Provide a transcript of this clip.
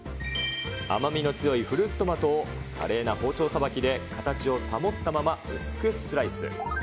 甘みの強いフルーツトマトを、華麗な包丁さばきで形を保ったまま薄くスライス。